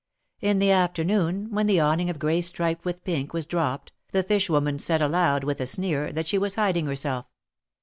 In the after noon, when the awning of gray striped with pink was dropped, the fish woman said aloud, with a sneer, that she was hiding herself.